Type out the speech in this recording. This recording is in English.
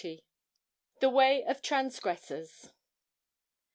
THE WAY OF TRANSGRESSORS.